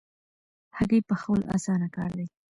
هګۍ پخول اسانه کار دی